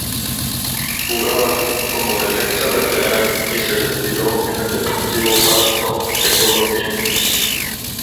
Jugaba como defensa lateral y se retiró en el Deportivo Pasto de Colombia.